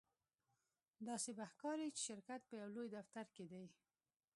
داسې به ښکاري چې شرکت په یو لوی دفتر کې دی